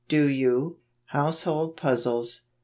Do you? Household Puzzles.